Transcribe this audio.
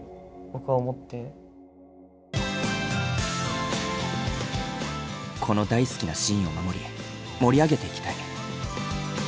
この大好きなシーンを守り盛り上げていきたい。